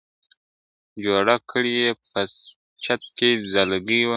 جوړه کړې یې په چت کي ځالګۍ وه !.